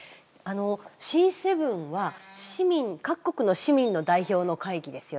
Ｃ７は市民各国の市民の代表の会議ですよね。